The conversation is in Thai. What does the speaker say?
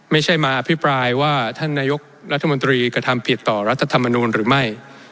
ไม่ใช่มาอภิปรายว่าท่านนายกรัฐมนตรีกระทำผิดต่อรัฐธรรมนูลหรือไม่